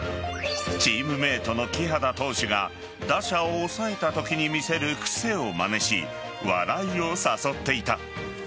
チームメイトのキハダ投手が打者を抑えたときに見せる癖をまねし笑いを誘っていた。